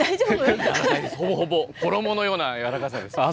ほぼほぼ衣のような柔らかさです。